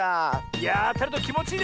いやああたるときもちいいですね